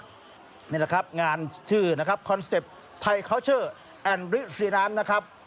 นี่แหละครับงานชื่อคอนเซ็ปต์ไทยคาวเชอร์แอนดริสรินานนะครับ